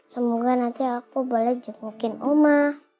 semoga nanti aku boleh jemukin oma